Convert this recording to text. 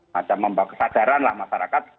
macam kesadaran lah masyarakat